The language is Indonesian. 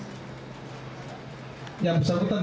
ini atm milik yang bersangkutan